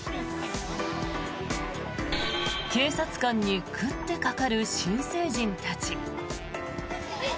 警察官に食ってかかる新成人たち。